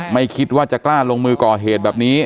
ไม่คิดว่าจะกล้าลงมือก่อเหตุแบบนี้